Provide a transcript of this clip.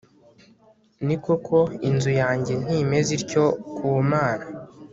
ni koko inzu yanjye ntimeze ityo ku mana